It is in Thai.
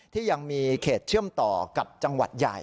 ที่ยังมีเขตเชื่อมต่อกับจังหวัดใหญ่